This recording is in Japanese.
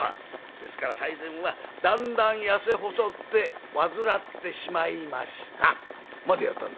「ですから最前は『だんだん痩せ細って患ってしまいました』までやったんだ。